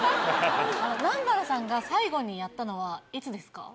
南原さんが最後にやったのはいつですか？